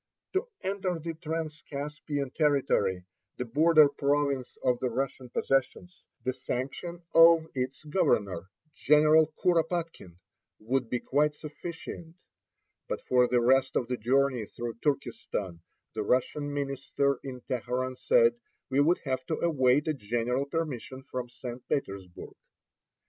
To enter the Transcaspian territory, the border province of the Russian possessions, the sanction of its governor, General Kuropatkine, would be quite sufficient; but for the rest of the journey through Turkestan the Russian minister in Teheran said we would have to await a general permission from St. Petersburg.